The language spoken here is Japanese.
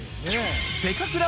「せかくら」